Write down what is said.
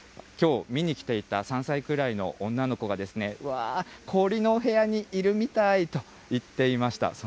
きょう見にきていた３歳くらいの女の子が、うわー、氷のお部屋にいるみたいと言っていました。